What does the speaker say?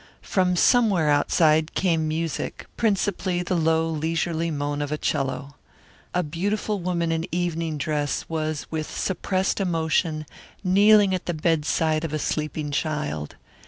From somewhere outside came music, principally the low, leisurely moan of a 'cello. A beautiful woman in evening dress was with suppressed emotion kneeling at the bedside of a sleeping child.